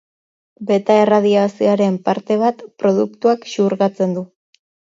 Beta erradiazioaren parte bat produktuak xurgatzen du.